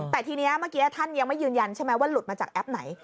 แต่ทีนี้เมื่อกี้ท่านยังไม่ยืนยันใช่ไหมว่าหลุดมาจากแอปไหน